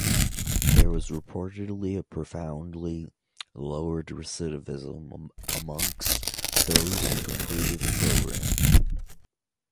There was reportedly a profoundly lowered recidivism amongst those who completed the program.